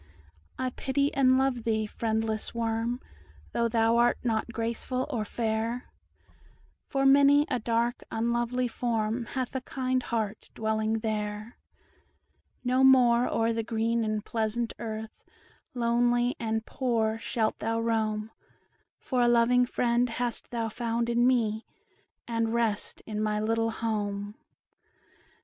I pity and love thee, friendless worm, Though thou art not graceful or fair; For many a dark, unlovely form, Hath a kind heart dwelling there; No more o'er the green and pleasant earth, Lonely and poor, shalt thou roam, For a loving friend hast thou found in me, And rest in my little home."